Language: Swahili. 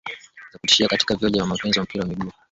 Za kutisha katika viochwa vya wapenzi wa mpira wa miguu duniani